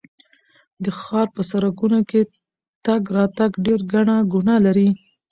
د ښار په سړکونو کې تګ راتګ ډېر ګڼه ګوڼه لري.